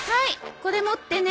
これ持ってね。